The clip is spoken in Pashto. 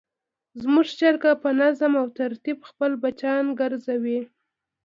زموږ چرګه په نظم او ترتیب خپل بچیان ګرځوي.